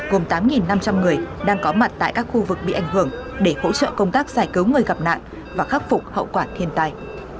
gồm tám năm trăm linh người đang có mặt tại các khu vực bị ảnh hưởng để hỗ trợ công tác giải cứu người gặp nạn và khắc phục hậu quả thiên tai